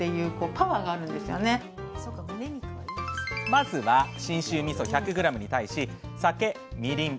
まずは信州みそ１００ｇに対し酒みりん